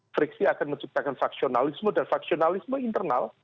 friksi akan menciptakan faksionalisme dan faksionalisme internal